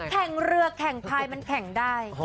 แข่งเรือแข่งพายมันแข่งได้